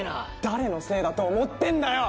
誰のせいだと思ってんだよ！